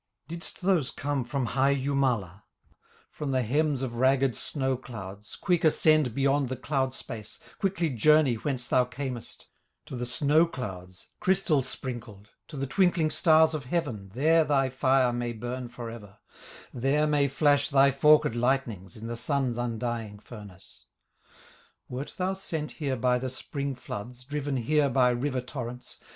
"Didst those come from high Jumala, From the hems of ragged snow clouds, Quick ascend beyond the cloud space, Quickly journey whence thou camest, To the snow clouds, crystal sprinkled, To the twinkling stars of heaven; There thy fire may burn forever, There may flash thy forked lightnings, In the Sun's undying furnace. "Wert thou sent here by the spring floods, Driven here by river torrents?